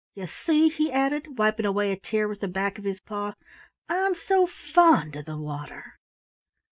"You see," he added, wiping away a tear with the back of his paw, "I'm so fond of the water!"